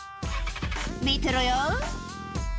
見てろよ。